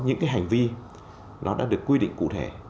những cái hành vi nó đã được quy định cụ thể